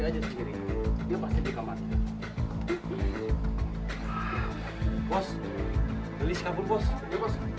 jangan lupa like comment dan subscribe